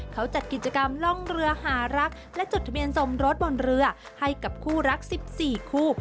เขาจัดกิจกรรมล่องเรือหารักและจดทะเบียนสมรสบนเรือให้กับคู่รัก๑๔คู่